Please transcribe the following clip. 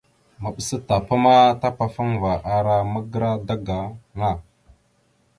Maɓəsa tapa ma tapafaŋava ara magəra daga aŋa.